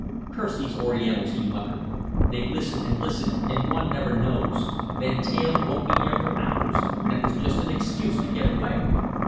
"Curse these orientals!" he muttered. "They listen and listen, and one never knows. Van Teyl won't be here for hours. That was just an excuse to get away."